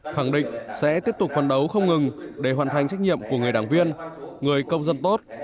khẳng định sẽ tiếp tục phấn đấu không ngừng để hoàn thành trách nhiệm của người đảng viên người công dân tốt